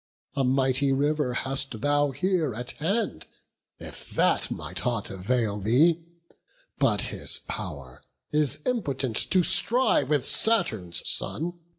A mighty River hast thou here at hand, If that might aught avail thee; but his pow'r Is impotent to strive with Saturn's son.